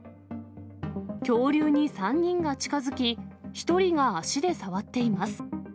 恐竜に３人が近づき、１人が足で触っています。